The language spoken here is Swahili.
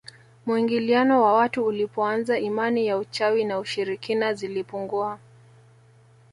Muingiliano wa watu ulipoanza imani ya uchawi na ushirikina zilipungua